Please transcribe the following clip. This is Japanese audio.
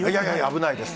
危ないです。